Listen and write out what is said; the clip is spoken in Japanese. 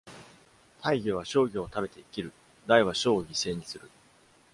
大魚は小魚を食べて生きる。（大は小を犠牲にする。）